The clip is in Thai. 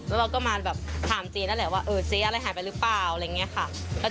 แล้วก็มาถามเจ๊แล้วแหละว่าเจ๊อะไรหายไปหรือเปล่าอะไรอย่างนี้ค่ะ